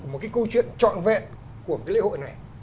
một cái câu chuyện trọn vẹn của cái lễ hội này